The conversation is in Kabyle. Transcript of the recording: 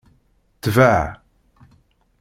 Tbeɛ!